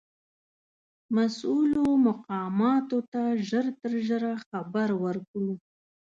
مسؤولو مقاماتو ته ژر تر ژره خبر ورکړو.